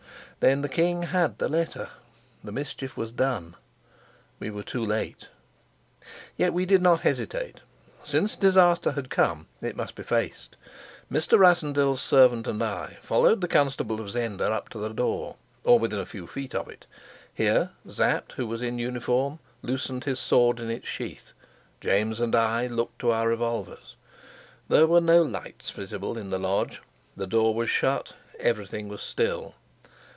Then the king had the letter; the mischief was done. We were too late. Yet we did not hesitate. Since disaster had come, it must be faced. Mr. Rassendyll's servant and I followed the constable of Zenda up to the door, or within a few feet of it. Here Sapt, who was in uniform, loosened his sword in its sheath; James and I looked to our revolvers. There were no lights visible in the lodge; the door was shut; everything was still.